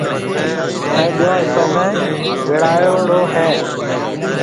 ٿر ٻيو حصو ۾ ورال ھيََََ